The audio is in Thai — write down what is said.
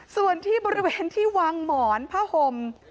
ส่วนที่บริเวณที่วางหมอนผ้าห่ม